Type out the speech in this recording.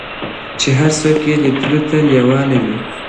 چې هر څوک یې لیدلو ته لیواله وي.